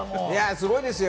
すごいですよ。